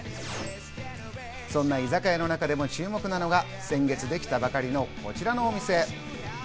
そんな居酒屋の中でも注目なのが、先月できたばかりのこちらのお店。